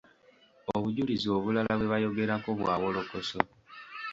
Obujulizi obulala bwe bayogerako bwa wolokoso.